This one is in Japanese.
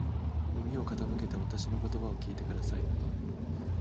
耳を傾けてわたしの言葉を聞いてください。